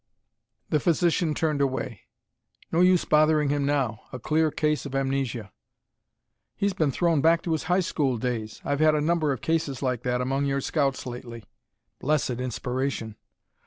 The physician turned away. "No use bothering him now. A clear case of amnesia. "He's been thrown back to his high school days. I've had a number of cases like that among your scouts lately." Blessed inspiration!